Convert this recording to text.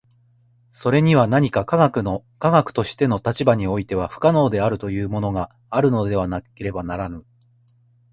それには何か科学の科学としての立場においては不可能であるというものがあるのでなければならぬ。